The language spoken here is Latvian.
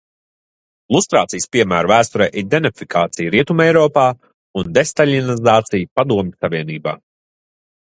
Lustrācijas piemēri vēsturē ir denacifikācija Rietumeiropā un destaļinizācija Padomju Savienībā.